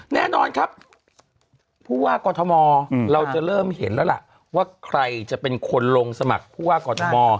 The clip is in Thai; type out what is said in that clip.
แน่นอนครับผู้ว่ากอทมเราจะเริ่มเห็นแล้วล่ะว่าใครจะเป็นคนลงสมัครผู้ว่ากอทม